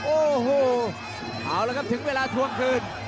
โอ้โหถึงเวลาทั่วคืน